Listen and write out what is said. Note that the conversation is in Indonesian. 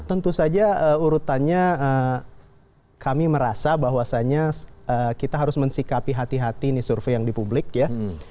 tentu saja urutannya kami merasa bahwasannya kita harus mensikapi hati hati ini survei yang di publik ya